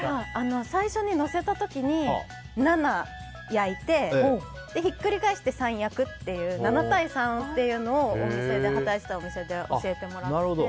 最初にのせた時に７焼いてひっくり返して３焼くっていう７対３というのを働いていたお店で教えてもらって。